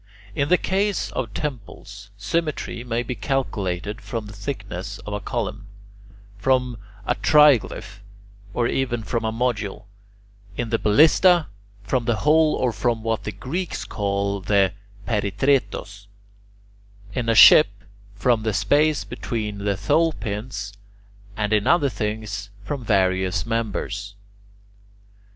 In the case of temples, symmetry may be calculated from the thickness of a column, from a triglyph, or even from a module; in the ballista, from the hole or from what the Greeks call the [Greek: peritretos]; in a ship, from the space between the tholepins [Greek: (diapegma)]; and in other things, from various members.